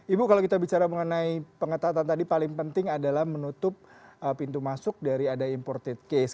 ibu kalau kita bicara mengenai pengetatan tadi paling penting adalah menutup pintu masuk dari ada imported case